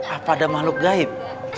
apa ada makhluk gaib